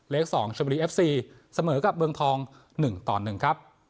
๒ชมบุรีเอฟซีเสมอกับเมืองทอง๑ต่อ๑ครับ